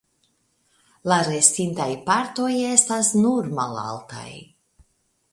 La restintaj partoj estas nur malaltaj.